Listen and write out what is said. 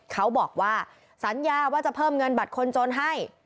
เขาบอกว่าสัญญาว่าจะเพิ่มเงินบัตรคนจนให้